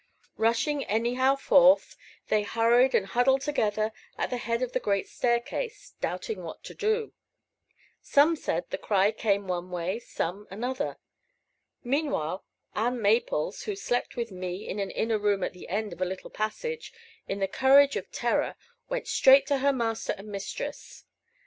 Rushing anyhow forth, they hurried and huddled together at the head of the great staircase, doubting what to do. Some said the cry came one way, some another. Meanwhile Ann Maples, who slept with me in an inner room at the end of a little passage, in the courage of terror went straight to her master and mistress.